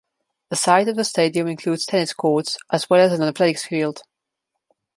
The site of the stadium includes tennis courts as well as an athletics field.